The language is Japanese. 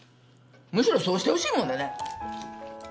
むしろそうしてほしいもんだね。